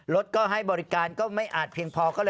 รถก็ให้บริการก็ไม่อาจเพียงพอ